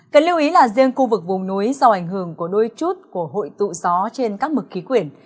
cần lưu ý là riêng khu vực vùng núi do ảnh hưởng của đôi chút của hội tụ gió trên các mực khí quyển